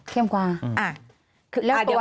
เข้มกว่า